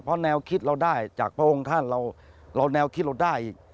เพราะแนวคิดเราได้จากพระองค์ท่านเราแนวคิดเราได้อีก